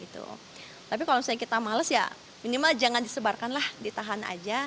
tapi kalau misalnya kita males ya minimal jangan disebarkan lah ditahan aja